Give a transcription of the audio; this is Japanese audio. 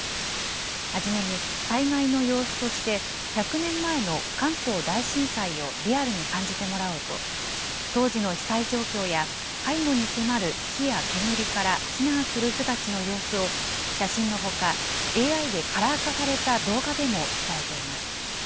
はじめに、災害の様子として、１００年前の関東大震災をリアルに感じてもらおうと、当時の被災状況や背後に迫る火や煙から避難する人たちの様子を、写真のほか、ＡＩでカラー化された動画でも伝えています。